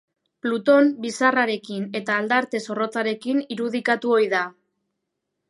Pluton bizarrarekin eta aldarte zorrotzarekin irudikatu ohi da.